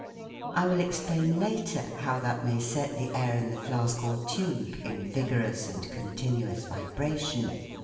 I will explain later how that may set the air in the flask or tube in vigorous and continuous vibration.